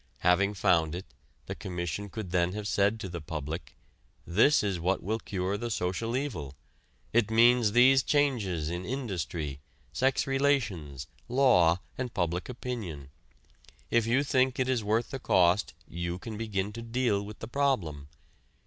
Having found it, the Commission could then have said to the public: "This is what will cure the social evil. It means these changes in industry, sex relations, law and public opinion. If you think it is worth the cost you can begin to deal with the problem.